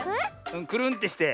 くるんってして。